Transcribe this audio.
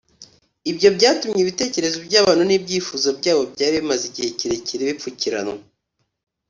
ibyo byatumye ibitekerezo by’abantu n’ibyifuzo byabo byari bimaze igihe kirekire bipfukiranwa